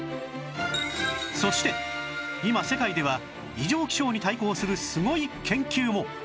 そして今世界では異常気象に対抗するすごい研究も